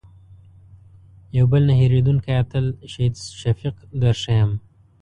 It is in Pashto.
یو بل نه هېرېدونکی اتل شهید شفیق در ښیم.